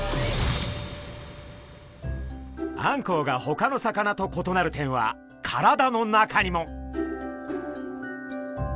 あんこうがほかの魚と異なる点は体の中にも。